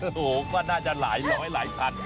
โอ้โหก็น่าจะหลายร้อยหลายพัน